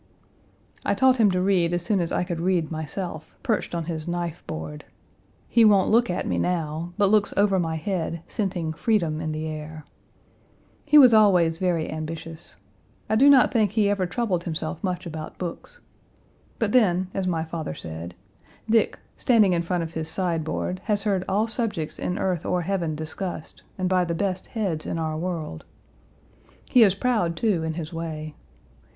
I taught him to read as soon as I could read myself, perched on his knife board. He won't look at me now; but looks over my head, scenting freedom in the air. He was always very ambitious. I do not think he ever troubled himself much about books. But then, as my father said, Dick, standing in front of his sideboard, has heard all subjects in earth or heaven discussed, and by the best heads in our world. He is proud, too, in his way.